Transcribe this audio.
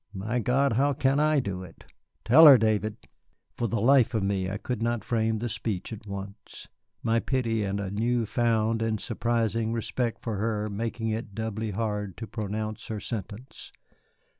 My God, how can I do it? Tell her, David." For the life of me I could not frame the speech at once, my pity and a new found and surprising respect for her making it doubly hard to pronounce her sentence.